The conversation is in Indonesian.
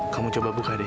kamu coba buka deh